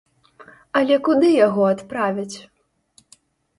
Але куды яго адправяць?